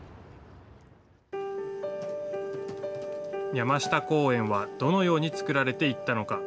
山下公園はどのように造られていったのか。